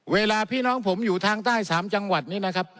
เวลาพี่น้องผมอยู่ทางใต้๓จังหวัดนี้นะครับ